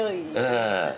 ええ。